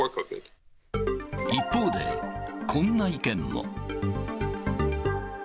一方で、こんな意見も。